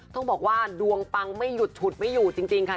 ต้องบอกว่าดวงปังไม่หยุดฉุดไม่อยู่จริงค่ะ